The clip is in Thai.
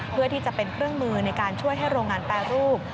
เพื่อที่จะเป็นเครื่องมือในการช่วยให้โรงงานแปรรูป